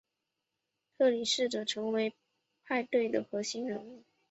特里试着成为派对的核心人物。